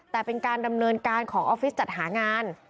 แต่เป็นการดำเนินการของออฟฟิศจัดหางาน